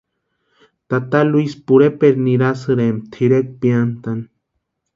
Tata Luisi pureperu nirasïrempti tʼirekwa piantani.